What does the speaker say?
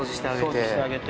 ・掃除してあげて・・